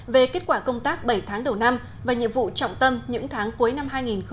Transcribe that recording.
về kết quả công tác bảy tháng đầu năm và nhiệm vụ trọng tâm những tháng cuối năm hai nghìn hai mươi